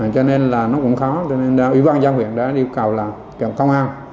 cho nên là nó cũng khó cho nên là ủy ban giam huyện đã yêu cầu là kiểm công an